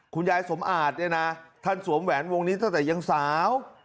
คุณยายสมอาจเนี่ยนะท่านสวมแหวนวงนี้ตั้งแต่ยังสาว